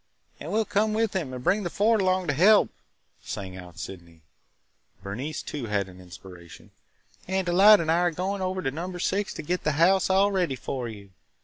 "And we 'll come with him and bring the Ford along to help!" sang out Sydney. Bernice too had an inspiration. "And Delight and I are going over to Number Six to get the house all ready for you!"